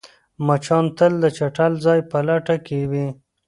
مچان تل د چټل ځای په لټه کې وي